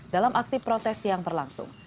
dalam aksi protes yang berlangsung